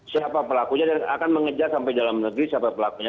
siapa pelakunya dan akan mengejar sampai dalam negeri siapa pelakunya